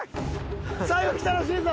最後きたらしいぞ！